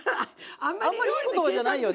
あんまりいい言葉じゃないよね。